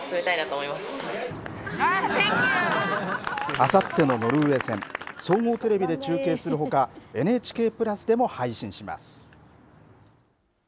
あさってのノルウェー戦総合テレビで中継するほかＮＨＫプラスでも配信します。